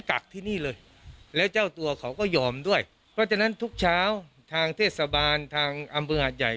ขอโทษก็หยอมด้วยเพราะฉะนั้นทุกเช้าทางเทศบาลทางอำเมิงอาจใหญ่